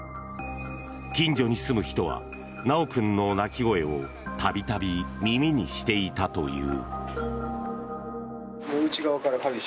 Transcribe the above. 近所に住む人は修君の泣き声を度々耳にしていたという。